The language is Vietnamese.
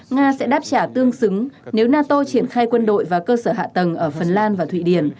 nga sẽ đáp trả tương xứng nếu nato triển khai quân đội và cơ sở hạ tầng ở phần lan và thụy điển